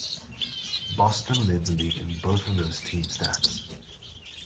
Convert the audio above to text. Boston led the league in both of those team stats.